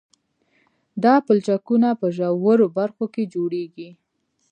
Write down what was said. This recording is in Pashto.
دا پلچکونه په ژورو برخو کې جوړیږي